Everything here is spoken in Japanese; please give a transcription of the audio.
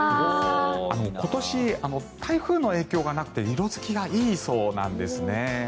今年、台風の影響がなくて色付きがいいそうなんですね。